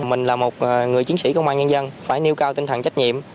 mình là một người chiến sĩ công an nhân dân phải nêu cao tinh thần trách nhiệm